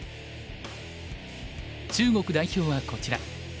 中国代表はこちら。